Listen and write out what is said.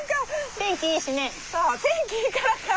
天気いいからか。